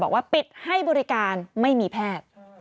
บอกว่าปิดให้บริการไม่มีแพทย์